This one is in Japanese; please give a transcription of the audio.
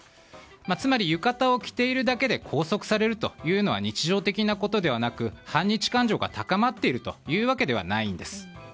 つまり浴衣を着ているだけで拘束されるというのは日常的なことではなく反日感情が高まっているというわけではないんです。